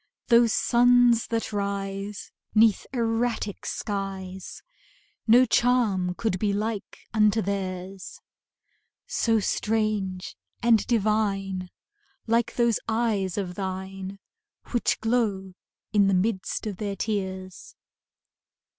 Those suns that rise 'Neath erratic skies, No charm could be like unto theirs So strange and divine, Like those eyes of thine Which glow in the midst of their tears.